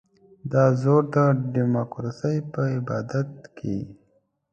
دا زور د ډیموکراسۍ په عبادت کې.